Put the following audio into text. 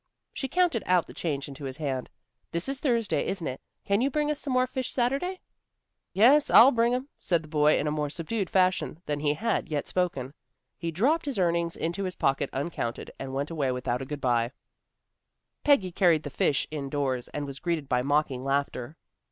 She counted out the change into his hand. "This is Thursday, isn't it? Can you bring us some more fish Saturday?" "Yes, I'll bring 'em," said the boy in a more subdued fashion than he had yet spoken. He dropped his earnings into his pocket uncounted, and went away without a good by. Peggy carried the fish indoors, and was greeted by mocking laughter.